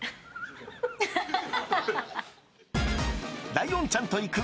ライオンちゃんと行く！